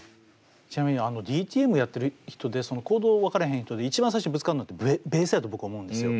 ちなみにあのＤＴＭをやってる人でそのコードを分からへん人で一番最初ぶつかるのってベースやと僕は思うんですよ。